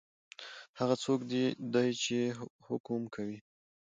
هغه څوک دی چی حکم کوي؟